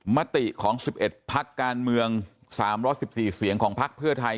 มติของ๑๑พักการเมือง๓๑๔เสียงของพักเพื่อไทย